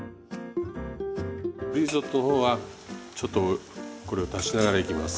リゾットの方はちょっとこれを足しながらいきます。